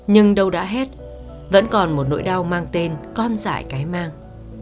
nhưng đâu đã hết vẫn còn một nỗi đau mang tên con dại cái mang